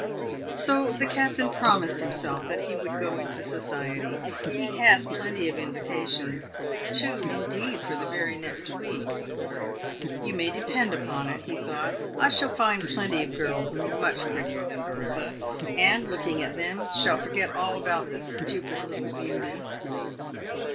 So the captain promised himself that he would go into society. He had plenty of invitations — two indeed for the very next week. " You may depend upon it," he thought, " I shall find plenty of girls much prettier than Bertha, and, looking at them, shall forget all about the stupid little beauty.